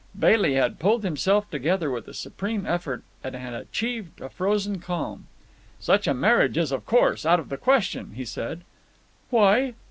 Bailey had pulled himself together with a supreme effort and had achieved a frozen calm. "Such a marriage is, of course, out of the question," he said. "Why?"